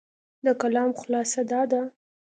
د کلام خلاصه دا ده،